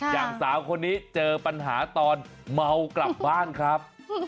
อย่างสาวคนนี้เจอปัญหาตอนเมากลับบ้านครับ